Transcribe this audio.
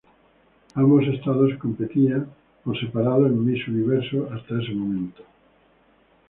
Ambos estados competían por separado en Miss Universo hasta ese momento.